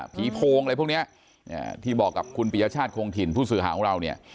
โพงอะไรพวกนี้ที่บอกกับคุณปียชาติคงถิ่นผู้สื่อหาของเราเนี่ย